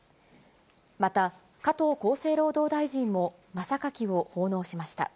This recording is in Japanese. また加藤厚生労働大臣も、真さかきを奉納しました。